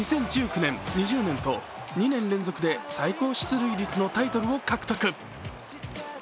２０１９年、２０年と２年連続で最高出塁率のタイトルを獲得。